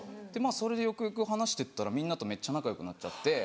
それでよくよく話してったらみんなとめっちゃ仲よくなっちゃって。